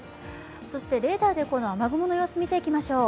そしてレーダーで雨雲の様子、見ていきましょう。